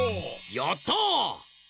やった！